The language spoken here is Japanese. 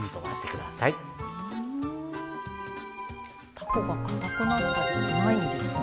たこがかたくなったりしないんですね。